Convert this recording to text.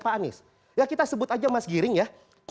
pak anies ya kita sebut aja mas giring ya